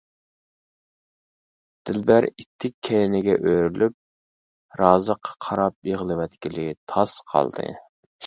دىلبەر ئىتتىك كەينىگە ئۆرۈلۈپ، رازىققا قاراپ يىغلىۋەتكىلى تاس قالدى.